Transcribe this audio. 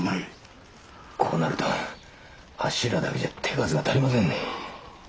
こうなるとあっしらだけじゃ手数が足りませんね。